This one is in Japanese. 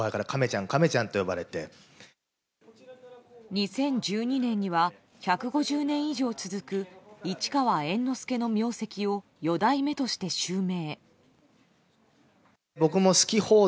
２０１２年には１５０年以上続く市川猿之助の名跡を四代目として襲名。